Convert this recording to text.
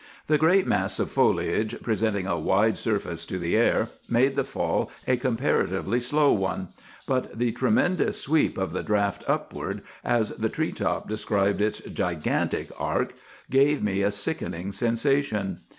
The great mass of foliage, presenting a wide surface to the air, made the fall a comparatively slow one; but the tremendous sweep of the draught upward, as the tree top described its gigantic arc, gave me a sickening sensation.